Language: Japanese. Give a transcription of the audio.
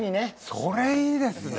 それいいですね。